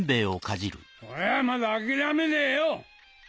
俺はまだ諦めねえよ！